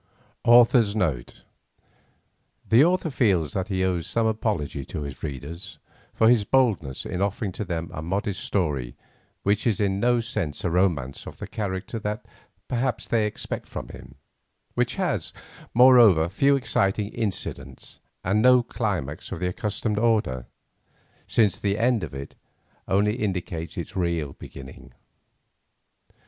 AUTHOR'S NOTE The author feels that he owes some apology to his readers for his boldness in offering to them a modest story which is in no sense a romance of the character that perhaps they expect from him; which has, moreover, few exciting incidents and no climax of the accustomed order, since the end of it only indicates its real beginning.